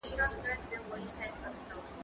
ایا ته کار کوې،